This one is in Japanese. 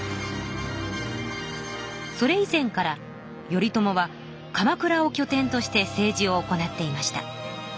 それ以前から頼朝は鎌倉をきょ点として政治を行っていました。